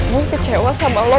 gue kecewa sama lo